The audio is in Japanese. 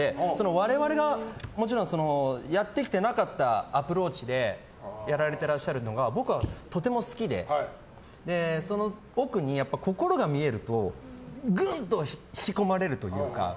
我々がもちろんやってきてなかったアプローチでやられてらっしゃるのが僕はとても好きでその奥に心が見えるとぐんと引き込まれるというか。